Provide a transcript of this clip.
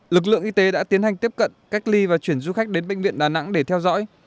lực lượng y tế đã tiến hành tiếp cận cách ly và chuyển du khách đến bệnh viện đà nẵng để theo dõi